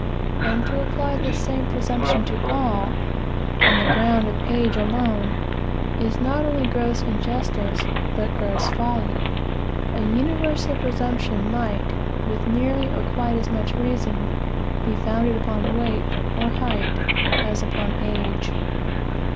And to apply the same presumption to all, on the ground of age alone, is not only gross injustice, but gross folly. A universal presumption might, with nearly or quite as much reason, be founded upon weight, or height, as upon age.